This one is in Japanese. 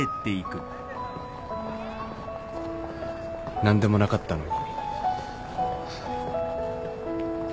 何でもなかったのに